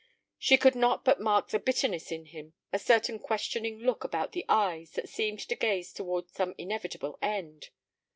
She could not but mark the bitterness in him, a certain questioning look about the eyes that seemed to gaze toward some inevitable end.